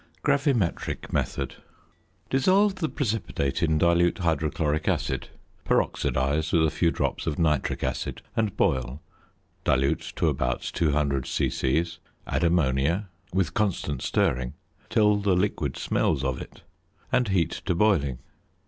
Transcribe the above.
GRAVIMETRIC METHOD. Dissolve the precipitate in dilute hydrochloric acid; peroxidise with a few drops of nitric acid and boil, dilute to about 200 c.c., add ammonia (with constant stirring) till the liquid smells of it, and heat to boiling.